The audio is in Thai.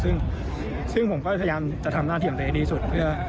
ซึ่งผมก็พยายามจะทำหน้าที่ของตัวเองให้ดีสุดเพื่อ